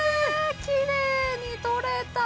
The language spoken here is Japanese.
きれいに取れた！